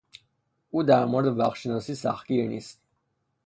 او در مورد وقتشناسی سختگیر نیست.